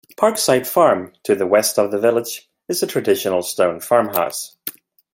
Parkside Farm to the west of the village is a traditional stone farmhouse.